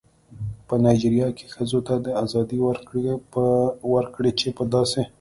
په نایجیریا کې ښځو ته دا ازادي ورکړې چې په داسې